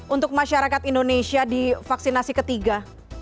untuk masyarakat indonesia di vaksinasi ketiga